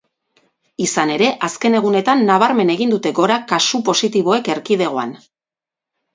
Izan ere, azken egunetan nabarmen egin dute gora kasu positiboek erkidegoan.